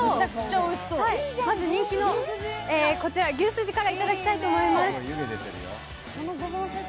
まず人気の牛すじからいただきたいと思います。